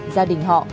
gia đình họ